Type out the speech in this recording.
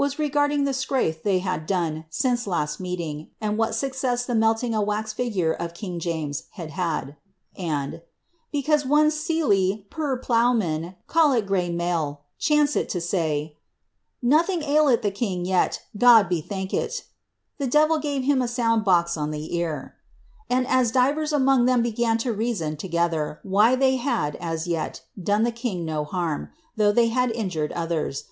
ri'g:irding the skaiih they had done since last meeting, atid what ?iicet*' the melting a wax figure of king James had had;' and 'becau^i' one set lv puir plowinan, callit Grev .MeiJt. chancit to sav. • Xathiim ailii A^ kiny yet, Gud be thankii,' the devil gn\c him a s. nnd box on the nr. Ani\ as divers among them began to reason tosether wliv iliev lisil. i J'el, done the king no harm, though ihey had injured others, t!